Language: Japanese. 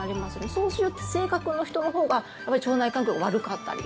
そういう性格の人のほうが腸内環境が悪かったり。